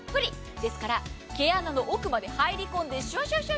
ですから毛穴の奥まで入り込んでシュワシュワ。